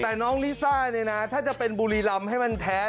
แต่น้องลิซ่าถ้านะถ้าจะเป็นบูรีลัมให้มันแท้